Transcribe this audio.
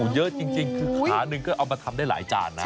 เยอะจริงคือขาหนึ่งก็เอามาทำได้หลายจานนะ